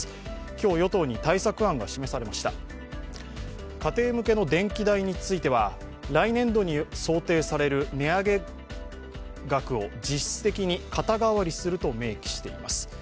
今日、与党に対策案が示されました家庭向けの電気代については来年度に想定される値上げ額を実質的に肩代わりすると明記しています。